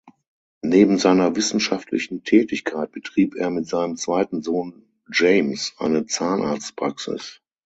Neben seiner wissenschaftlichen Tätigkeit betrieb er mit seinem zweiten Sohn James eine Zahnarztpraxis.